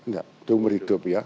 tidak seumur hidup ya